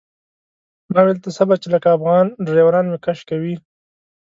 ما ویل ته صبر چې لکه افغان ډریوران مې کش کوي.